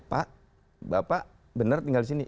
pak bapak benar tinggal di sini